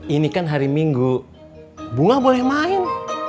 ini kan hari minggu bunga boleh main